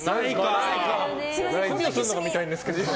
墨をするのが見たいんですけど。